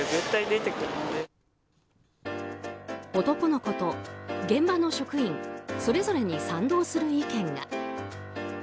男の子と現場の職員それぞれに賛同する意見が。